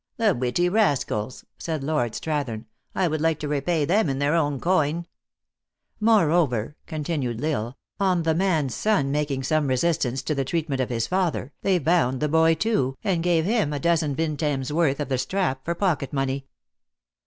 " The witty rascals," said Lord Strathern ;" I would like to repay them in their own coin." " Moreover," continued L Isle, " on the man s son making some resistance to their treatment x)f his father, they bound the boy, too, and gave him a dozen vin tems* worth of the strap for pocket money."